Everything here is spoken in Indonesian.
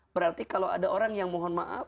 berarti kalau ada orang yang mohon maaf